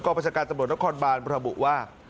กรปัชการตำรวจนักขอร์ลบานพระบุว่า